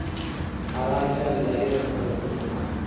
حرام شيان الهي رزق بلل کفر دی.